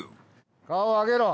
顔を上げろ！